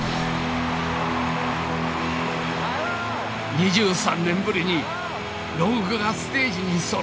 ２３年ぶりにＲＯＧＵＥがステージにそろった。